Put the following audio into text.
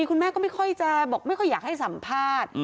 คุณแม่ก็ไม่ค่อยจะบอกไม่ค่อยอยากให้สัมภาษณ์